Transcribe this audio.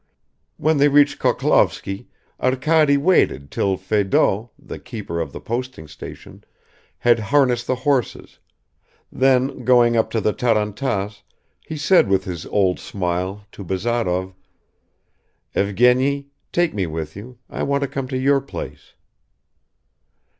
When they reached Khokhlovsky, Arkady waited till Fedot, the keeper of the posting station, had harnessed the horses, then going up to the tarantass, he said with his old smile to Bazarov, "Evgeny, take me with you, I want to come to your place."